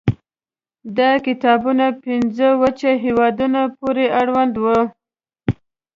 دا کتابونه پنځو وچه هېوادونو پورې اړوند وو.